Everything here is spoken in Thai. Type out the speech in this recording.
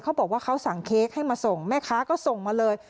เขาบอกว่าเขาสั่งเค้กให้มาส่งแม่ค้าก็ส่งมาเลย